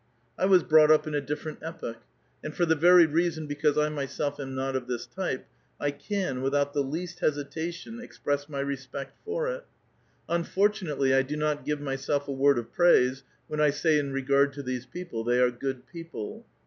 I was brought up in a ciifferent epoch ; and for the very reason because I myself ^m not of this type, I can, without the least hesitation, ex 1:^1*688 ray respect lor it ; unfortunately I do not give myself «^ word of praise when I say in regard to these people. They «^re good people.